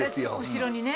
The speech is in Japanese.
後ろにね。